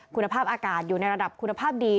คุณภาพอากาศอยู่ในระดับคุณภาพดี